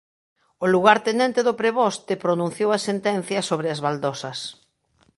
O lugartenente do preboste pronunciou a sentencia sobre as baldosas.